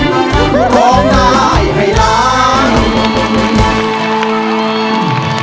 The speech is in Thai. ร้องได้ร้องได้